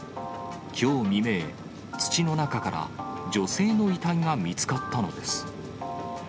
きょう未明、土の中から女性の遺体が見つかったのです。